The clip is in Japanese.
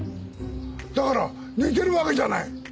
だから寝てるわけじゃない。